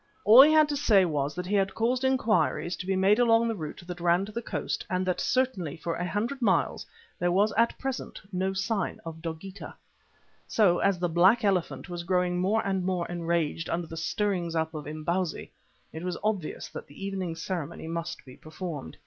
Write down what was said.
All he had to say was that he had caused inquiries to be made along the route that ran to the coast and that certainly for a hundred miles there was at present no sign of Dogeetah. So as the Black Elephant was growing more and more enraged under the stirrings up of Imbozwi, it was obvious that that evening's ceremony must be performed.